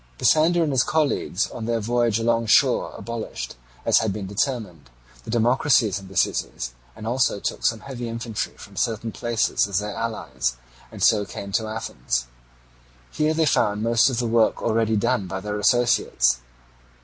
Pisander and his colleagues on their voyage alongshore abolished, as had been determined, the democracies in the cities, and also took some heavy infantry from certain places as their allies, and so came to Athens. Here they found most of the work already done by their associates.